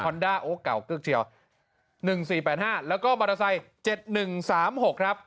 คอนด้าโอ้เก่าเกือบเชียวหนึ่งสี่แปดห้าแล้วก็มอเตอร์ไซส์เจ็บหนึ่งสามหกครับ